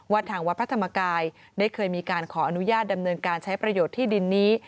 ทางวัดพระธรรมกายได้เคยมีการขออนุญาตดำเนินการใช้ประโยชน์ที่ดินนี้